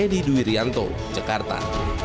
di duwirianto jakarta